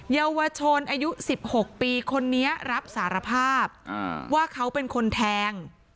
เยาวชนอายุ๑๖ปีคนนี้รับสารภาพว่าเขาเป็นคนแทง